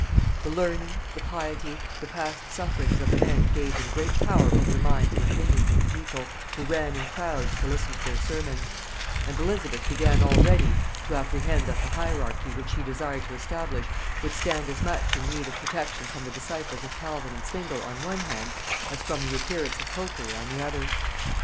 The learning, the piety, the past sufferings of the men gave them great power over the minds and opinions of the people, who ran in crowds to listen to their sermons; and Elizabeth began already to apprehend that the hierarchy which she desired to establish would stand as much in need of protection from the disciples of Calvin and Zwingle on one hand, as from the adherents of popery on the other.